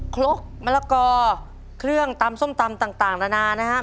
ครกมะละกอเครื่องตำส้มตำต่างนานานะครับ